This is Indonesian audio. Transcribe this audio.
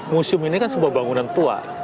museum ini kan sebuah bangunan tua